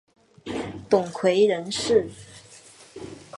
董槐人士。